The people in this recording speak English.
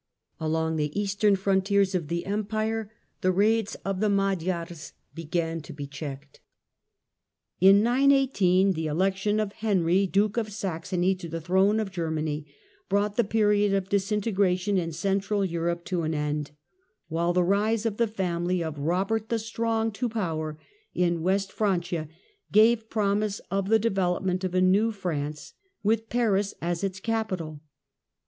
Along the eastern frontiers of the Empire the raids of the Magyars began to be checked. In 918 the election of Henry Duke of Saxony to the throne of Germany brought the period of disintegra tion in central Europe to an end, while the rise of the family of Kobert the Strong to power in West Franchia gave promise of the development of a new France, with Paris as its capital.